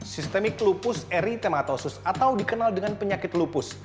systemic lupus erythematosus atau dikenal dengan penyakit lupus